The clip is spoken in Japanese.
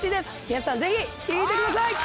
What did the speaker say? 皆さんぜひ聴いてください！